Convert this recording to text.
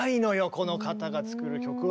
この方が作る曲は。